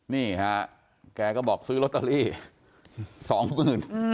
นี่ฮะแกก็บอกซื้อลอตเตอรี่สองหมื่น